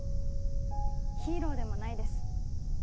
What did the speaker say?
ヒーローでもないです。